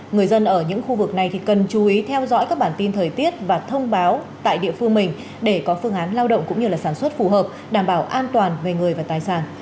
người dân ở những khu vực này cần chú ý theo dõi các bản tin thời tiết và thông báo tại địa phương mình để có phương án lao động cũng như sản xuất phù hợp đảm bảo an toàn về người và tài sản